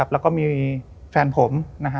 แล้วก็มีแฟนผม